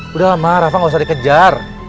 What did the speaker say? papa gak usah dikejar